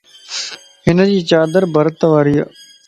ھنجي چادر برت واريَ